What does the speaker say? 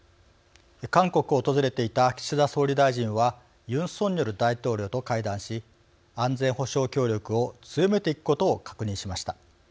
韓国を訪れていた岸田総理大臣はユン・ソンニョル大統領と会談し安全保障協力を強めていくことを確認しました。